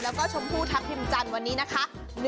แล้วก็ชมพูทัพทิมจันทร์วันนี้นะคะ